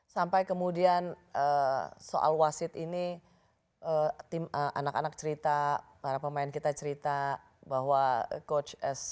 sampai kemudian soal wasit ini anak anak cerita para pemain kita cerita bahwa coach